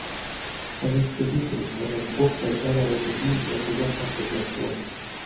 Замість обіду, вони вдвох вечеряли тоді, як уже сонце зайшло.